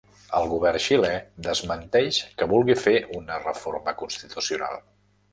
El govern xilè desmenteix que vulgui fer una reforma constitucional